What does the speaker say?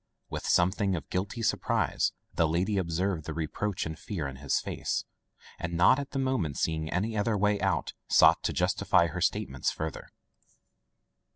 With something of guilty surprise the lady observed the reproach and fear in his face, and not at the moment seeing any other way out, sought to justify her statements further.